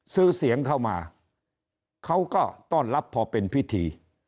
ซื้อเสียงเข้ามาเขาก็ต้อนรับพอเป็นพิธี